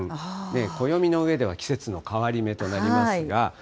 暦の上では季節の変わり目となりますが。